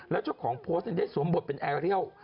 แล้วเจ้าของโพสต์ยังได้สวมบทเป็นแอร์เรียล